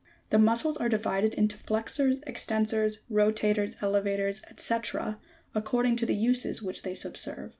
G4. The muscles are divided into Jtexors, extensors, rotators, elevators, &c. according to the uses which they subserve.